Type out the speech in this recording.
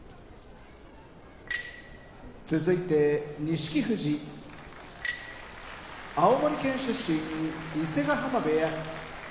錦富士青森県出身伊勢ヶ濱部屋